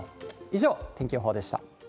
以上、天気予報でした。